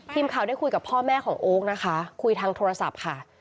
ทีมข่าวได้คุยกับพ่อแม่ของโอ๊คนะคะคุยทางโทรศัพท์ค่ะ